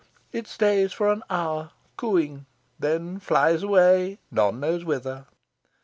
It stays for an hour, cooing, then flies away, none knows whither.